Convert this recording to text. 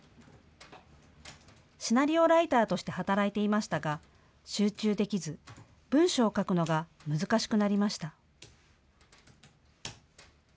シナリオライターとして働いていましたが集中できず文章を書くのが難しくなりました。